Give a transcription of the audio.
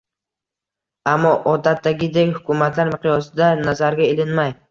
Ammo, odatdagidek, hukumatlar miqyosida nazarga ilinmay